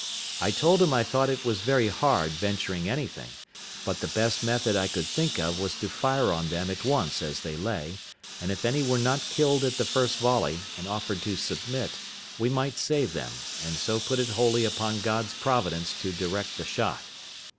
I told him I thought it was very hard venturing anything; but the best method I could think of was to fire on them at once as they lay, and if any were not killed at the first volley, and offered to submit, we might save them, and so put it wholly upon God's providence to direct the shot.